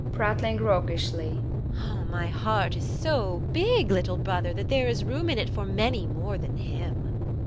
TEKLA. [Prattling roguishly] My heart is so big, little brother, that there is room in it for many more than him.